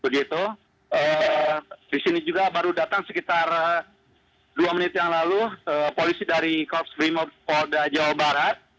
di sini juga baru datang sekitar dua menit yang lalu polisi dari korps brimob polda jawa barat